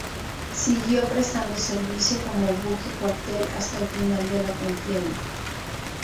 Siguió prestando servicio como buque cuartel hasta el final de la contienda.